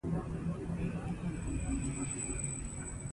سپین ږیري په دې اړه خبرې کوي.